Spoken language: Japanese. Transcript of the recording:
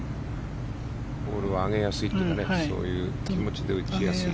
ボールを上げやすいというかそういう気持ちで打ちやすい。